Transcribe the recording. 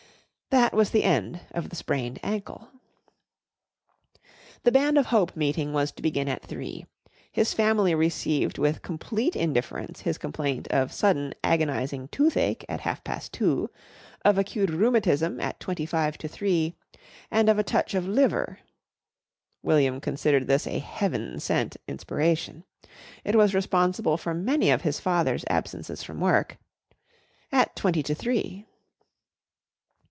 That was the end of the sprained ankle. The Band of Hope meeting was to begin at three. His family received with complete indifference his complaint of sudden agonising toothache at half past two, of acute rheumatism at twenty five to three, and of a touch of liver (William considered this a heaven set inspiration. It was responsible for many of his father's absences from work) at twenty to three.